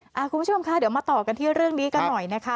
คุณผู้ชมคะเดี๋ยวมาต่อกันที่เรื่องนี้กันหน่อยนะคะ